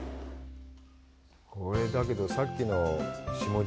これ、だけど、さっきの下島？